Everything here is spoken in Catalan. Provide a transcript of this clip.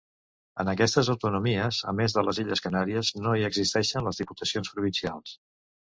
En aquestes autonomies, a més de les Illes Canàries, no hi existeixen les diputacions provincials.